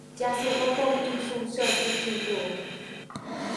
加速公共藝術設置進度